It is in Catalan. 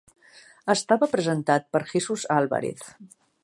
Estava presentat per Jesús Álvarez.